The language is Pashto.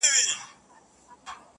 • یو څو نومونه څو جنډۍ د شهیدانو پاته -